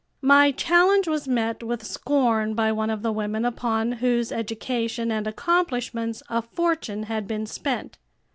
My challenge was met with scorn by one of the women upon whose education and accomplishments a fortune had been spent.